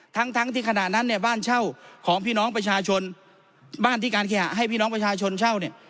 ทั้งทั้งที่ขณะนั้นเนี่ยบ้านเช่าของพี่น้องประชาชนบ้านที่การเคหะให้พี่น้องประชาชนเช่าเนี่ย